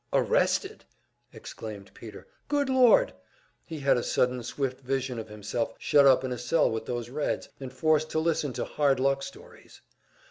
"Arrested!" exclaimed Peter. "Good Lord!" He had a sudden swift vision of himself shut up in a cell with those Reds, and forced to listen to "hard luck stories."